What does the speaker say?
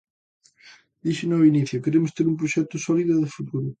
Díxeno ao inicio, queremos ter un proxecto sólido e de futuro.